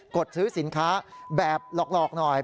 ดซื้อสินค้าแบบหลอกหน่อย